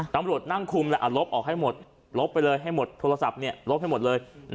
ตำรวจนั่งคุมแล้วลบออกให้หมดลบไปเลยให้หมดโทรศัพท์ลบให้หมดเลย